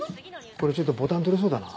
これちょっとボタン取れそうだな。